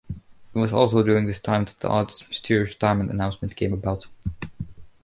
It was also during this time that the artist's mysterious retirement announcement came about.